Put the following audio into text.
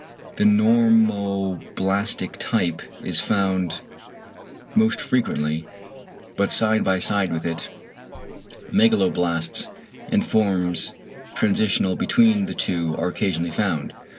The normoblastic type is found most frequently, but side by side with it, megaloblasts and forms transitional between the two are occasionally found.